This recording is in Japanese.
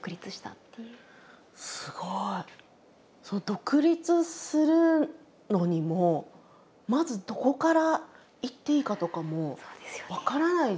独立をするのにもまずどこからいっていいかとかも分からない状態ですよね。